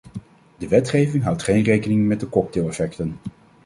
De wetgeving houdt geen rekening met de cocktaileffecten.